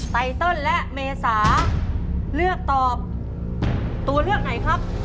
ไตเติลและเมษาเลือกตอบตัวเลือกไหนครับ